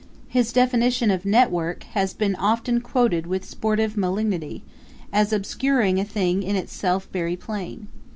His definition of Network has been often quoted with sportive malignity, as obscuring a thing in itself very plain.